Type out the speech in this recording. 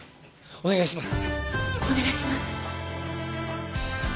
お願いします。